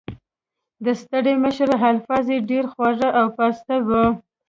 د ستړي مشي الفاظ یې ډېر خواږه او پاسته وو.